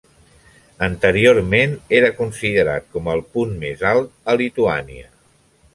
Anteriorment era considerat com el punt més alt a Lituània.